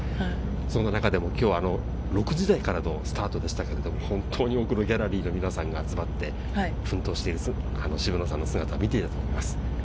そんな中でも、きょう、６時台からのスタートでしたけれども、本当に多くのギャラリーの皆さんが集まって、奮闘している渋野さんの姿、見ていたと思います。